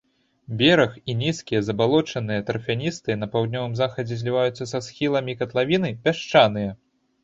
Бераг і нізкія, забалочаныя, тарфяністыя, на паўднёвым захадзе зліваюцца са схіламі катлавіны, пясчаныя.